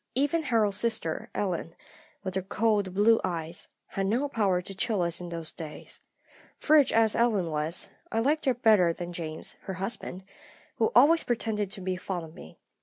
Even Harold's sister Ellen, with her cold blue eyes, had no power to chill us in those days. Frigid as Ellen was, I liked her better than James, her husband, who always pretended to be fond of me.